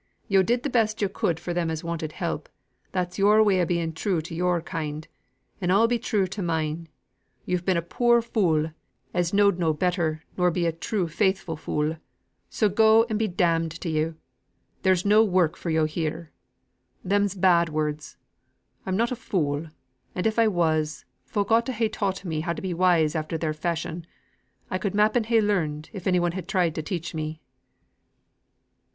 Yo' did the best yo' could for them as wanted help; that's yo're way of being true to yo're kind: and I'll be true to mine. Yo've been a poor fool, as knowed no better nor be a true faithful fool. So go and be d d to yo'. There's no work for yo' here.' Them's bad words. I'm not a fool; and if I was, folk ought to ha' taught me how to be wise after their fashion. I could m'appen ha' learnt, if any one had tried to teach me."